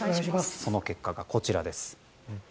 その結果がこちらです。